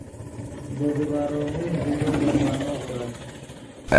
دے دیبارو موخ ژے تو جرمانو غورت